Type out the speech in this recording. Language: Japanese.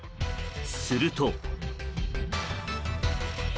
すると。